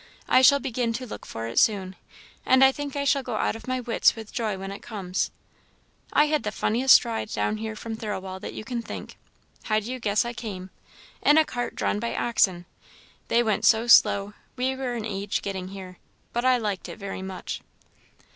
I shall begin to look for it soon, and I think I shall go out of my wits with joy when it comes. I had the funniest ride down here from Thirlwall that you can think; how do you guess I came? In a cart drawn by oxen! They went so slow, we were an age getting here; but I liked it very much.